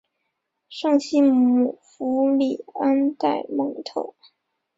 圣西姆福里安代蒙特。